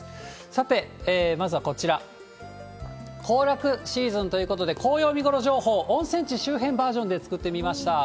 さて、まずはこちら、行楽シーズンということで、紅葉見頃情報、温泉地周辺バージョンで作ってみました。